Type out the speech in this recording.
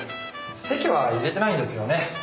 籍は入れてないんですけどね。